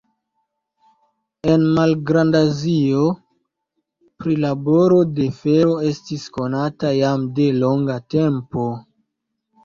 En Malgrand-Azio prilaboro de fero estis konata jam de longa tempo.